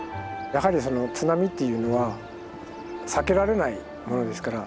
やはりその津波というのは避けられないものですから。